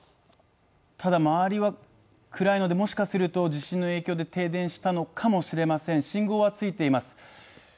ただ周りは暗いのでもしかすると地震の影響で停電したのかもしれません信号がついています。